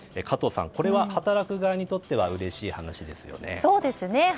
加藤さん、これは働く側にとってはうれしい話ですよね。